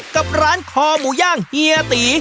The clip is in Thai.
กับร้านคอหมูย่างเฮียตี